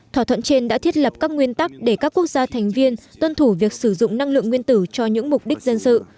thỏa thuận trên đã thiết lập các nguyên tắc để các quốc gia thành viên tuân thủ việc sử dụng năng lượng nguyên tử cho những mục đích dân sự